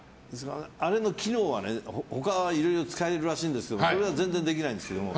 あれの機能は他にもいろいろ使えるらしいんですけど他は全然できないんですけど。